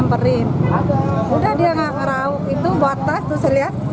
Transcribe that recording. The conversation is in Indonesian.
pulang dengan disengih